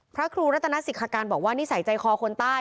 พระครูรัตนศิษการบอกว่านิสัยใจคอคนใต้